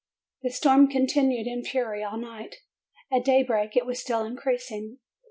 The storm con tinued in fury all night. At daybreak it was still in creasing.